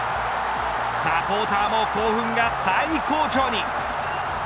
サポーターも興奮が最高潮に。